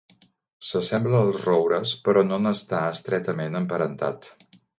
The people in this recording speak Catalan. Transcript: Se sembla als roures però no n'està estretament emparentat.